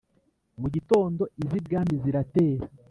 mu gitondo iz'ibwami ziratera,